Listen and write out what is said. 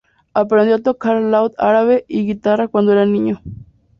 Aprendió a tocar laúd árabe y guitarra cuando era niño.